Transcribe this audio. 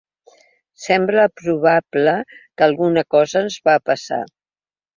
Sembla probable que alguna cosa ens va passar.